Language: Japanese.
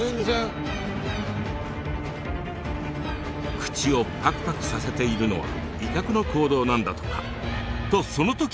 口をパクパクさせているのは威嚇の行動なんだとか。とそのとき。